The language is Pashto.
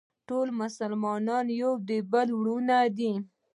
ټول مسلمانان د یو بل وروڼه دي.